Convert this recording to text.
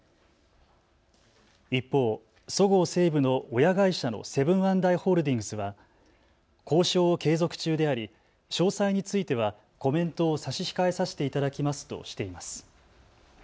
一方、そごう・西武の親会社のセブン＆アイホールディングスは交渉を継続中であり詳細についてはコメントを差し控えさせていただきますとしています。